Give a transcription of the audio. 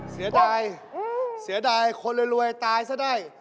เสียดายเสียดายคนรวยตายซะได้